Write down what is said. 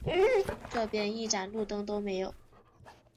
这边一盏路灯都没有